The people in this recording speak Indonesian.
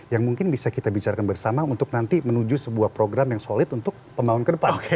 yang mungkin bisa kita bicarkan bersama untuk nanti menuju sebuah program yang solid untuk pembangun ke depan